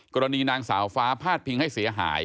กรณีนางสาวฟ้าพาดพิงให้เสียหาย